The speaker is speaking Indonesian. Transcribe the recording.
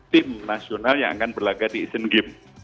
tim nasional yang akan berlaga di asian game